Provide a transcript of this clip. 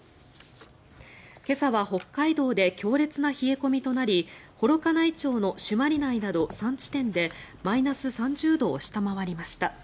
今朝は北海道で強烈な冷え込みとなり幌加内町の朱鞠内など３地点でマイナス３０度を下回りました。